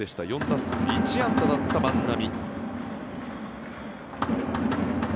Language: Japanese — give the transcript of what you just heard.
４打数１安打だった万波。